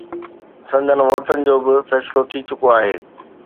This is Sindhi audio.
سندن ووٽن جو به فيصلو ٿي چڪو آهي